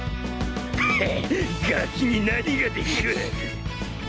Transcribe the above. ヘッガキに何ができる！